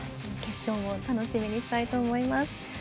決勝も楽しみにしたいと思います。